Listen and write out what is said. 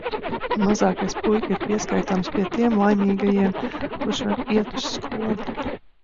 Mazākais puika ir pieskaitāms pie tiem laimīgajiem, kurš var iet uz skolu.